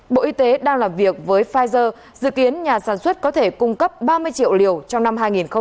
bộ y tế đang làm việc với pfizer dự kiến nhà sản xuất có thể cung cấp ba mươi triệu liều trong năm hai nghìn hai mươi